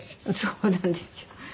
そうなんですよ。